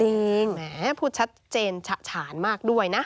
แหมพูดชัดเจนฉะฉานมากด้วยนะ